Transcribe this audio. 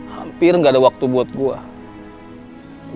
hampir nggak ada waktu buat gue